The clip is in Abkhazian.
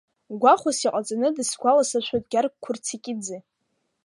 Гәахәас иҟаҵаны дысгәаласыршәоит Гьаргь Қәурцикиӡе.